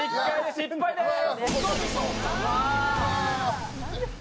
失敗です！